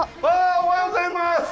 おはようございます。